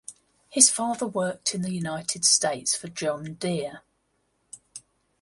His father worked in the United States for John Deere.